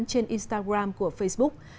trên instagram của facebook